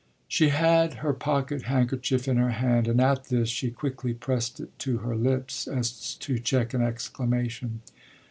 She had her pocket handkerchief in her hand, and at this she quickly pressed it to her lips as to check an exclamation.